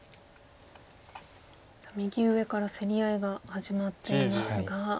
さあ右上から競り合いが始まっていますが。